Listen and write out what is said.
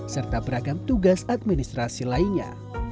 serta beragam tugas administrasi lainnya